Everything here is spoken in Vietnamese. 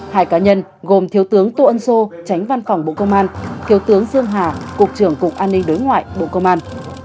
hai cá nhân gồm thiếu tướng tô ân sô tránh văn phòng bộ công an thiếu tướng dương hà cục trưởng cục an ninh đối ngoại bộ công an